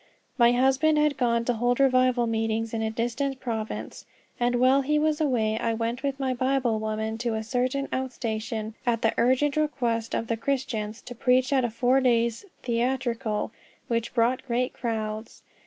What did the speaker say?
My husband had gone to hold revival meetings in a distant province, and while he was away I went with my Bible woman to a certain out station at the urgent request of the Christians, to preach at a four days' "theatrical," which brought great crowds.